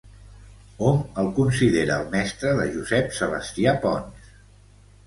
Hom el considera el mestre de Josep Sebastià Pons.